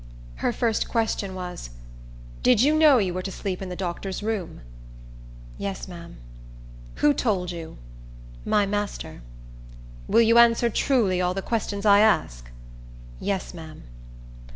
Her first question was, "Did you know you were to sleep in the doctor's room?" "Yes, ma'am." "Who told you?" "My master." "Will you answer truly all the questions I ask?" "Yes, ma'am."